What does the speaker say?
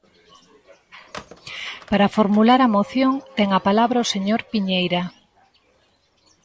Para formular a moción ten a palabra o señor Piñeira.